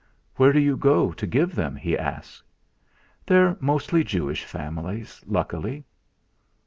"Where do you go to give them?" he asked. "They're mostly Jewish families, luckily."